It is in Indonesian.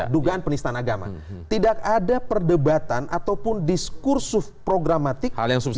dugaan penistaan agama tidak ada perdebatan ataupun diskursus programatik hal yang